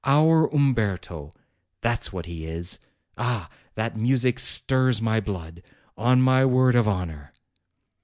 Our Umberto ! that's what he is ! Ah ! that music stirs my blood, on my word of honor!"